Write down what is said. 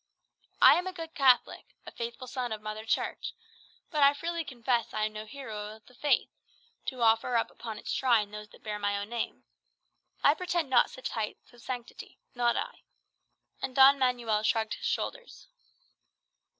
I am a good Catholic, a faithful son of Mother Church; but I freely confess I am no hero of the Faith, to offer up upon its shrine those that bear my own name. I pretend not to such heights of sanctity, not I." And Don Manuel shrugged his shoulders.